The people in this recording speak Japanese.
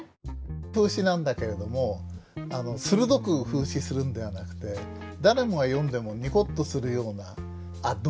風刺なんだけれども鋭く風刺するんではなくて誰もが読んでもニコッとするような「あっ同感ね」っていうこの同感ね。